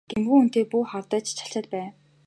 Гэмгүй хүнтэй бүү хардаж чалчаад бай!